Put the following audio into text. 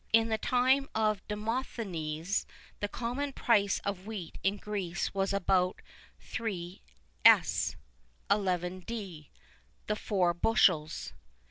[II 30] In the time of Demosthenes the common price of wheat in Greece was about 3_s._ 11_d._ the four bushels.